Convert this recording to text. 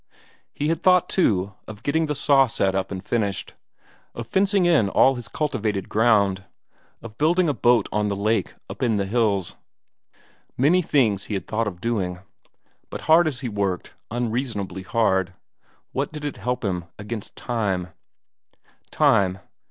He had thought, too, of getting that saw set up and finished; of fencing in all his cultivated ground; of building a boat on the lake up in the hills. Many things he had thought of doing. But hard as he worked, unreasonably hard what did it help against time?